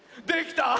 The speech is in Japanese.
できた！